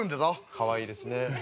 かわいいですね。